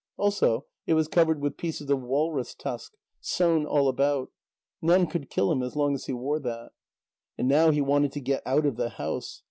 Also it was covered with pieces of walrus tusk, sewn all about. None could kill him as long as he wore that. And now he wanted to get out of the house.